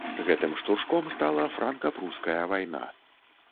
Гэтым штуршком стала франка-пруская вайна.